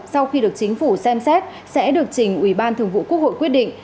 sau khi được chính phủ xem xét sẽ được trình ủy ban thường vụ quốc hội quyết định